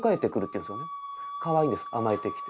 かわいいんです甘えてきて。